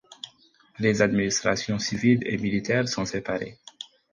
Les administrations civiles et militaires sont séparées.